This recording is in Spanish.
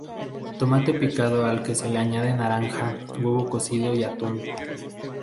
Tomate picado al que se añade naranja, huevo cocido y atún.